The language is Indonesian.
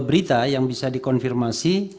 berita yang bisa dikonfirmasi